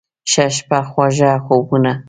ښه شپه، خواږه خوبونه